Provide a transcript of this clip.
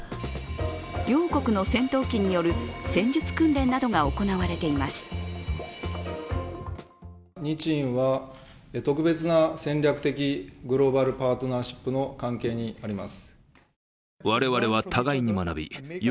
両国の戦闘機による戦術訓練などが行われています。